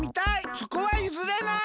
そこはゆずれない！